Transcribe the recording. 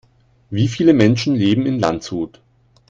Wie viele Menschen leben in Landshut?